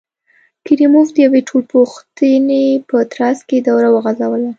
کریموف د یوې ټولپوښتنې په ترڅ کې دوره وغځوله.